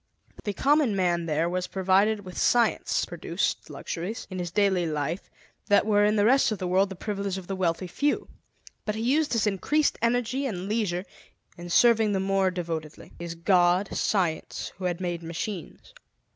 The common man there was provided with science produced luxuries, in his daily life, that were in the rest of the world the privilege of the wealthy few but he used his increased energy and leisure in serving the more devotedly, his God, Science, who had made machines.